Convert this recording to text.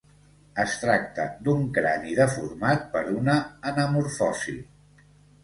Es tracta d'un crani deformat per una anamorfosi.